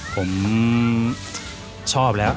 ผมชอบแล้ว